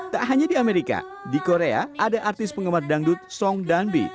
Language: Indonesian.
tak hanya di amerika di korea ada artis penggemar dangdut song danbi